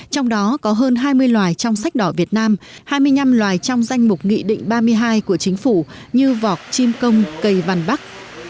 trong đó có hơn hai mươi loài trong sách đỏ việt nam hai mươi năm loài trong danh mục nghị định ba mươi hai của chính phủ như vọc chim công cây văn bắc